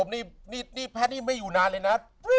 นี่แพทย์นี่ไม่อยู่นานเลยนะ